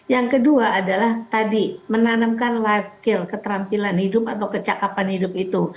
yang kedua adalah tadi menanamkan life skill keterampilan hidup atau kecakapan hidup itu